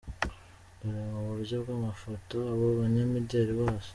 Dore mu buryo bw’amafoto abo banyamideli bose.